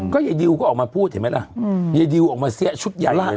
ก็อย่าดีวก็ออกมาพูดเห็นมั้ยล่ะอย่าดีวออกมาเสียชุดใหญ่เลย